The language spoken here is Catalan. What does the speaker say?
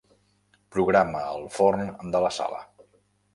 Programa el forn de la sala.